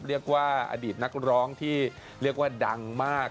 เรียกว่าอดีตนักร้องที่เรียกว่าดังมาก